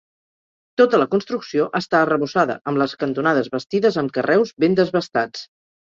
Tota la construcció està arrebossada, amb les cantonades bastides amb carreus ben desbastats.